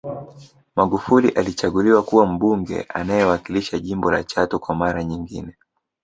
Magufuli alichaguliwa kuwa Mbunge anayewakilisha jimbo la Chato kwa mara nyingine